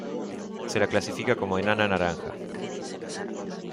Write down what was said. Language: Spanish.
Se la clasifica como enana naranja.